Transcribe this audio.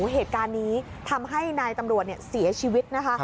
เหตุการณ์นี้ทำให้นายตำรวจเสียชีวิตนะคะ